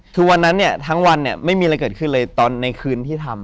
คือวันนั้นเนี่ยทั้งวันเนี่ยไม่มีอะไรเกิดขึ้นเลยตอนในคืนที่ทำ